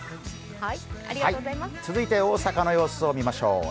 続いて大阪の様子を見ましょう。